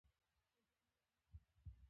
د تولید نوې بڼه رامنځته کیږي.